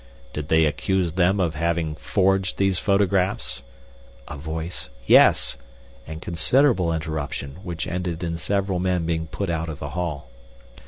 Did they accuse them of having forged these photographs?' (A voice, 'Yes,' and considerable interruption which ended in several men being put out of the hall.)